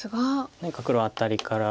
何か黒はアタリから。